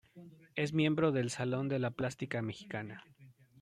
Es miembro del Salón de la Plástica Mexicana.